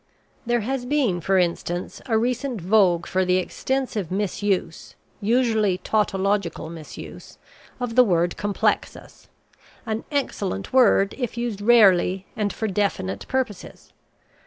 There has been, for instance, a recent vogue for the extensive misuse, usually tautological misuse, of the word "complexus" an excellent word if used rarely and for definite purposes.